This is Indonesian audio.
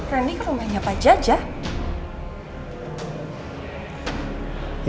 randy ke rumahnya pak jajah